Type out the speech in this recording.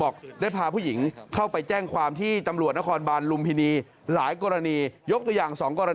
๑คนเข้ารอบ๓๐คนด้วยนะ